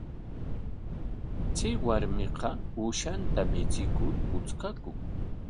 Chay warmiqa uushanta michikur puchkakun.